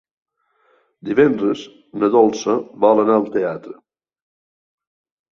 Divendres na Dolça vol anar al teatre.